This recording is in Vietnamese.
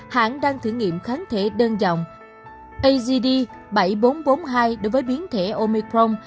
hãng đang thử nghiệm kháng thể đơn dòng agd bảy nghìn bốn trăm bốn mươi hai đối với biến thể omicron